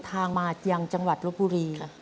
ทำงานชื่อนางหยาดฝนภูมิสุขอายุ๕๔ปี